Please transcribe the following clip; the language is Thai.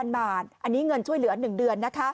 ๒๐๐๐บาทอันนี้เงินช่วยเหลือ๑เดือน